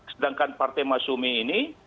sedangkan partai masyumi ini